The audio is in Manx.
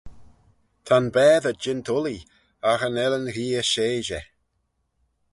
Ta'n baatey jeant ullee, agh cha nel yn gheay sheidey.